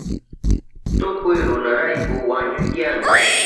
Tukuy runakunarayku wañuy tiyanka.